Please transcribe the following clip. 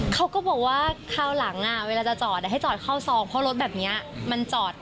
เขาก็บอกว่าคราวหลังเวลาจะจอดให้จอดเข้าซองเพราะรถแบบนี้มันจอด